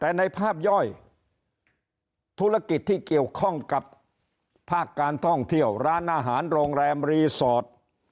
แต่ในภาพย่อยธุรกิจที่เกี่ยวข้องกับภาคการท่องเที่ยวร้านอาหารโรงแรมรีสอร์ท